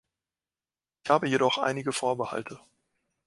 Ich habe jedoch einige Vorbehalte.